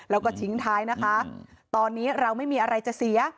แล้วก็ทิ้งท้ายนะคะตอนนี้เราไม่มีอะไรจะเสีย